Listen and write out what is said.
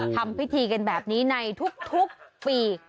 ทำพิธีกันแบบนี้ในทุกปี